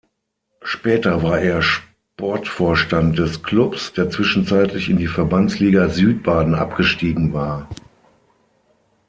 Später war er Sportvorstand des Klubs, der zwischenzeitlich in die Verbandsliga Südbaden abgestiegen war.